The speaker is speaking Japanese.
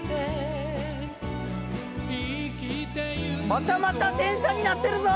またまた電車になってるぞ！